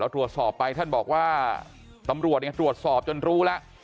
ตรวจสอบไปท่านบอกว่าตำรวจตรวจสอบจนรู้แล้ว